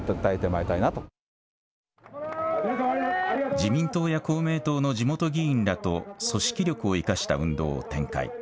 自民党や公明党の地元議員らと組織力を生かした運動を展開。